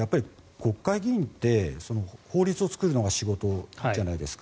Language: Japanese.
国会議員って法律を作るのが仕事じゃないですか。